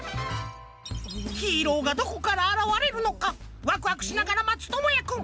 ヒーローがどこからあらわれるのかワクワクしながらまつともやくん。